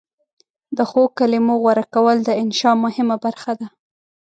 د ښو کلمو غوره کول د انشأ مهمه برخه ده.